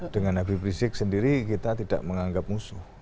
dengan habib rizik sendiri kita tidak menganggap musuh